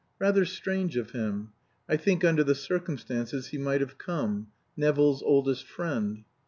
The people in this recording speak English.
Rather strange of him. I think under the circumstances he might have come Nevill's oldest friend.